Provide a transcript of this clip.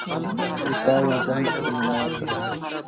• اوس دا يم ځم له خپلي مېني څخه؛